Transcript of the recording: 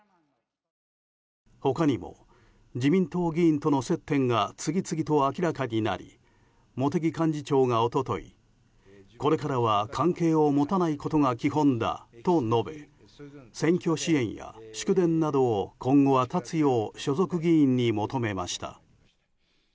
他にも自民党議員との接点が次々と明らかになり茂木幹事長が、一昨日これからは関係を持たないことが基本だと述べ選挙支援や祝電などを今後は断つよう所属議員に求めました。